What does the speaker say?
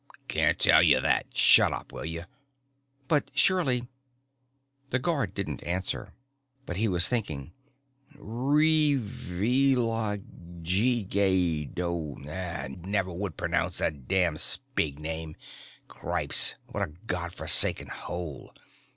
"CAN'T TELL YOU THAT. SHUDDUP, WILL YOU?" "But surely...." The guard didn't answer. But he was thinking. _Ree villa ghee gay doe never would p'rnounce that damn Spig name ... cripes, what a God forsaken hole!...